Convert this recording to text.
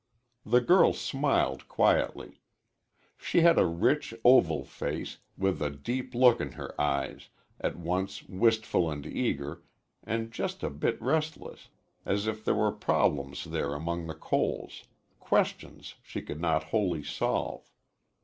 The girl smiled quietly. She had a rich oval face, with a deep look in her eyes, at once wistful and eager, and just a bit restless, as if there were problems there among the coals questions she could not wholly solve.